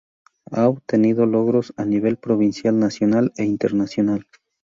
A obtenido logros a nivel provincial, nacional e internacional.